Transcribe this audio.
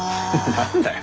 何だよ？